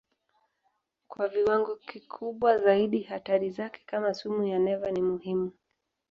Kwa viwango kikubwa zaidi hatari zake kama sumu ya neva ni muhimu.